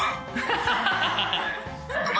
ハハハ